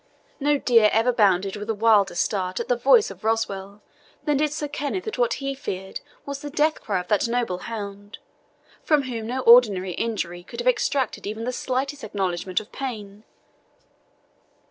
No deer ever bounded with a wilder start at the voice of Roswal than did Sir Kenneth at what he feared was the death cry of that noble hound, from whom no ordinary injury could have extracted even the slightest acknowledgment of pain.